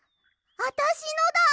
あたしのだ！